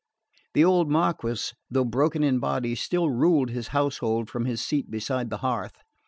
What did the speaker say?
The old Marquess, though broken in body, still ruled his household from his seat beside the hearth.